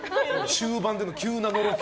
中盤での急なのろけ。